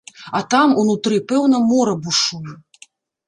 А там, унутры, пэўна, мора бушуе!